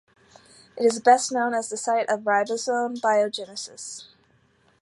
It is best known as the site of ribosome biogenesis.